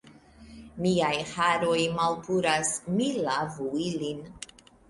Miaj haroj malpuras. Mi lavu ilin.